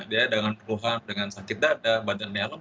dia dengan perluan dengan sakit dada badan melem